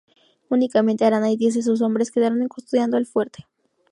Únicamente Arana y diez de sus hombres quedaron custodiando el fuerte.